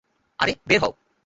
আরে, বের হও।